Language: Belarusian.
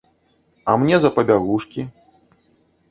А мне за пабягушкі?